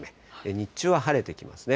日中は晴れてきますね。